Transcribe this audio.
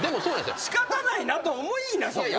仕方ないなと思いーなそこは。